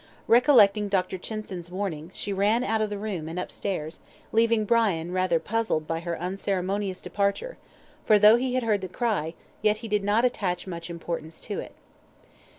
Recollecting Dr. Chinston's warning, she ran out of the room, and upstairs, leaving Brian rather puzzled by her unceremonious departure, for though he had heard the cry, yet he did not attach much importance to it.